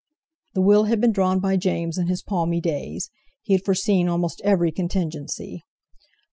The Will had been drawn by James in his palmy days. He had foreseen almost every contingency.